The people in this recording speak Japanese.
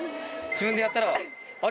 自分でやったら。